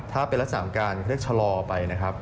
ถ้าเป็นลักษณะสามการณ์เครื่องชะลอไปนะครับ